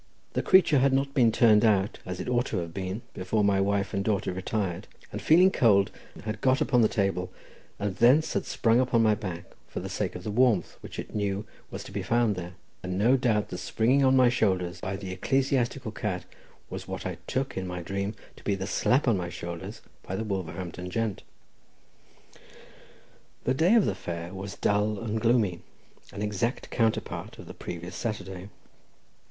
The creature had not been turned out, as ought to have been, before my wife and daughter retired, and feeling cold, had got upon the table, and thence had sprung upon my back for the sake of the warmth which it knew was to be found there; and no doubt the springing on my shoulders by the ecclesiastical cat was what I took in my dream to be the slap on my shoulders by the Wolverhampton gent. The day of the fair was dull and gloomy, an exact counterpart of the previous Saturday.